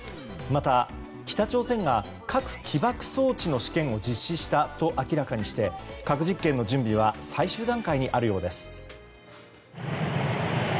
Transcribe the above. また、北朝鮮が核起爆装置の試験を実施したと明らかにして核実験の準備は最終段階にあるようです。